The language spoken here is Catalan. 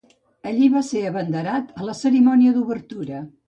Allí va ser abanderat a la cerimònia d'obertura.